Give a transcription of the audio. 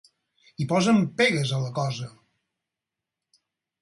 Hi posen pegues a la cosa.